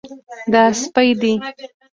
دا سپی دی